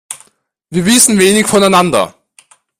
Wir wissen wenig voneinander.